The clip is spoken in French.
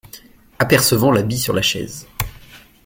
Apercevant l’habit sur la chaise.